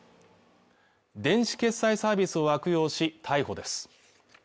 電子決済サービスを悪用し逮捕です